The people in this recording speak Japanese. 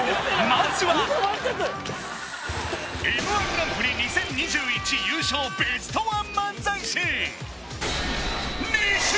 まずはＭ−１グランプリ２０２１優勝ベストワン漫才師